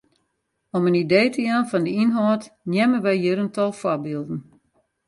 Om in idee te jaan fan de ynhâld neame wy hjir in tal foarbylden.